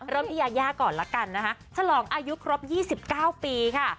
ที่ยายาก่อนละกันนะคะฉลองอายุครบ๒๙ปีค่ะ